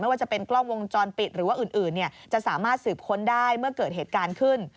ว่าจะเป็นกล้องวงจรปิดหรือว่าอื่นจะสามารถสืบค้นได้เมื่อเกิดเหตุการณ์ขึ้น